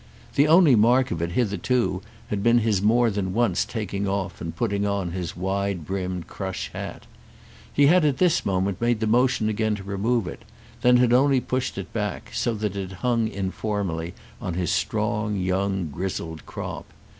The only mark of it hitherto had been his more than once taking off and putting on his wide brimmed crush hat. He had at this moment made the motion again to remove it, then had only pushed it back, so that it hung informally on his strong young grizzled crop.